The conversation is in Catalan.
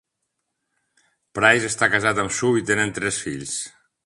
Price està casat amb Sue i tenen tres fills.